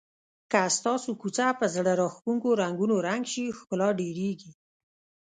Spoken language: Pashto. که ستاسو کوڅه په زړه راښکونکو رنګونو رنګ شي ښکلا ډېریږي.